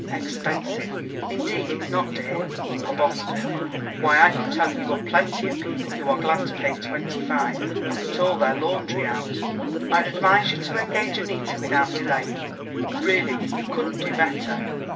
Expensive? Indeed it's not, dear for Boston. Why, I could tell you of plenty of people who are glad to pay twenty five and put all their laundry out. I'd advise you to engage Annita without delay. Really, you couldn't do better."